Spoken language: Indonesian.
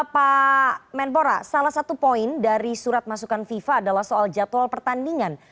pak menpora salah satu poin dari surat masukan fifa adalah soal jadwal pertandingan